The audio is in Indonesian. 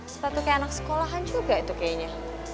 sepatu kayak anak sekolahan juga itu kayaknya